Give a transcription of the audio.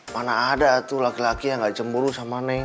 mana ada tuh laki laki yang gak cemburu sama neng